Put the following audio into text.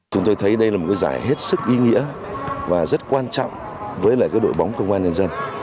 chúng tôi thấy đây là một giải hết sức ý nghĩa và rất quan trọng với đội bóng công an nhân dân